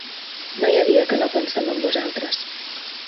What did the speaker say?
No hi ha dia que no pensem en vosaltres.